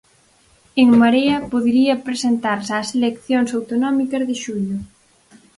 En Marea podería presentarse ás eleccións autonómicas de xullo.